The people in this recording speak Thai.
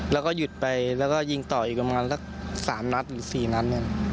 แล้วก็หยุดไปแล้วก็ยิงต่ออีกประมาณสัก๓นัดหรือ๔นัด